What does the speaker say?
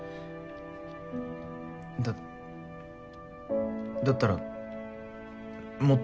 だだったらもっと。